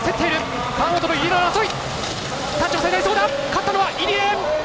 勝ったのは、入江！